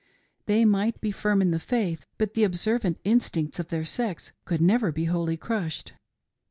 They might be firm in the faith, but the observant instincts of their sex could never be wholly crushed.